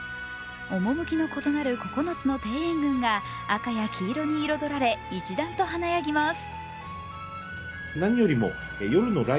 趣の異なる９つの庭園群が赤や黄色に彩られ一段と華やぎます。